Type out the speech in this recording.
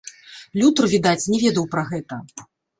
Лютэр, відаць, не ведаў пра гэта.